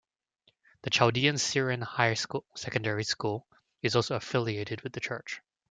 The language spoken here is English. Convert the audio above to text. The Chaldean Syrian Higher Secondary School is also affiliated with the church.